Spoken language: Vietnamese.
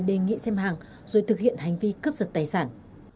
đề nghị xem hàng rồi thực hiện hành vi cướp giật tài sản